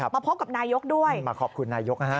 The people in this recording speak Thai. มาพบกับนายกด้วยมาขอบคุณนายกนะฮะ